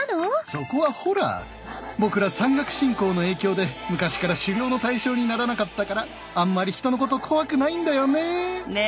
そこはホラぼくら山岳信仰の影響で昔から狩猟の対象にならなかったからあんまりヒトのこと怖くないんだよね。ね！